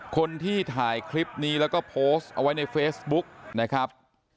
คนที่ถ่ายคลิปนี้แล้วก็โพสต์เอาไว้ในเฟซบุ๊กนะครับ